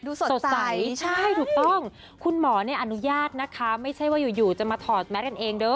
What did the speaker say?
ดูสดใสใช่คุณหมออนุญาตนะคะไม่ใช่ว่าอยู่จะมาถอดแมสกันเอง